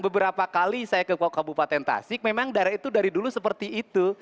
beberapa kali saya ke kabupaten tasik memang daerah itu dari dulu seperti itu